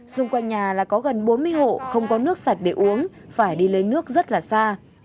xung quanh nhà là có gần bốn mươi hộ không có nước sạch để uống phải đi lấy nước rất là xa